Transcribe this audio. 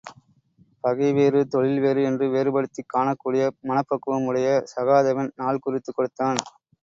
பகைவேறு தொழில்வேறு என்று வேறுபடுத்திக் காணக் கூடிய மனப்பக்குவம் உடைய சகாதேவன் நாள் குறித்துக் கொடுத்தான்.